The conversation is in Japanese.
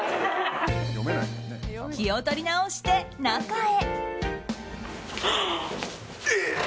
気を取り直して、中へ。